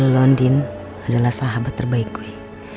lu ndin adalah sahabat terbaik gue